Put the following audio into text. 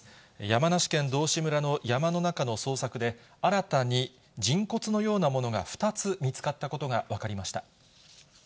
山梨県道志村の山の中の捜索で、新たに人骨のようなものが２つ見つかったことが分かりました。